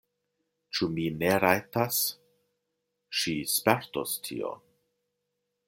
Ĉu mi ne rajtas? Ŝi spertos tion!